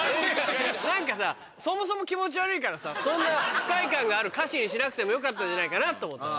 何かさそもそも気持ち悪いからさそんな不快感がある歌詞にしなくてもよかったんじゃないかなと思ったの。